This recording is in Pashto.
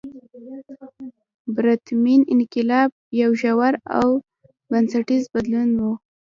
پرتمین انقلاب یو ژور او بنسټیز بدلون و.